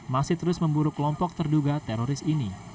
masih terus memburu kelompok terduga teroris ini